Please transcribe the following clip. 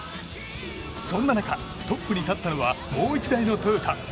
そんな中、トップに立ったのはもう１台のトヨタ。